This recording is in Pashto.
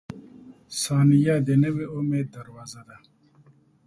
• ثانیه د نوي امید دروازه ده.